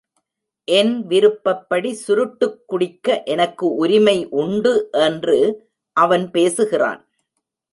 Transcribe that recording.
என் விருப்பப்படி சுருட்டுக் குடிக்க எனக்கு உரிமை உண்டு என்று அவன் பேசுகிறான்.